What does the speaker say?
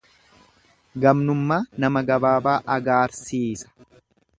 Gamnummaa nama gabaabaa agaarsiisa.